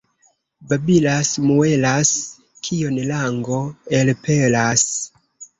Babilas, muelas, kion lango elpelas.